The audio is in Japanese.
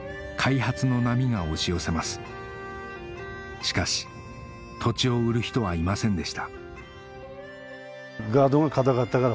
しかし土地を売る人はいませんでした